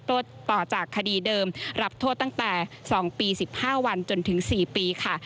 ต่อจากคดีเดิมรับโทษตั้งแต่๒ปี๑๕วันจนถึง๔ปีค่ะ